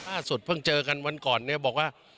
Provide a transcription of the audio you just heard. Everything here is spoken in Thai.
พระพระสุดเพิ่งเจอกันวันก่อนบอกว่า